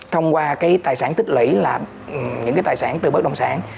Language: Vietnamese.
thông qua cái tài sản tích lũy là những cái tài sản từ bất đồng sản